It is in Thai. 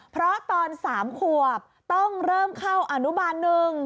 เพราะตอนสามขวบต้องเริ่มเข้าอนุบันนึง